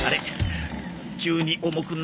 急に重くなったぞ。